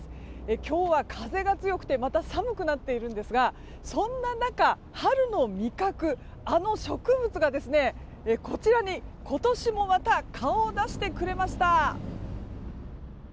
今日は風が強くてまた寒くなっているんですがそんな中、春の味覚あの植物がこちらに今年もまた顔を出してくれました。